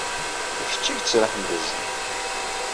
D kečč ay yettraḥen d iẓẓan.